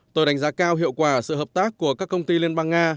tôi đánh giá cao hiệu quả sự hợp tác của các công ty liên bang nga